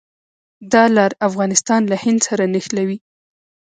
دا لار افغانستان له هند سره نښلوي.